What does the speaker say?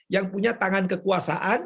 yang punya tangan kekuasaan